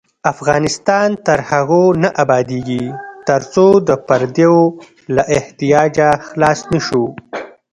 افغانستان تر هغو نه ابادیږي، ترڅو د پردیو له احتیاجه خلاص نشو.